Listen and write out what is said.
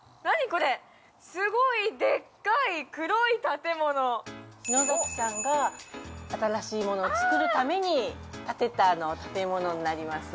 これすごいでっかい黒い建物篠崎さんが新しいものを造るために建てた建物になります